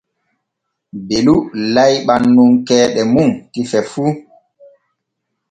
Belu layɓan nun keeɗe mum tife fu.